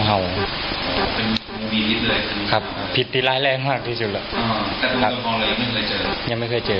อะไรค่ะพิธีแรงมากที่สุดแรงไม่เคยเจอ